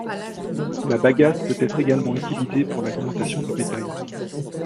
La bagasse peut être également utilisée pour l'alimentation du bétail.